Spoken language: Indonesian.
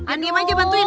andi maja bantuin